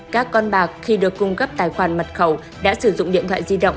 các con bạc khi được cung cấp tài khoản mật khẩu đã sử dụng điện thoại di động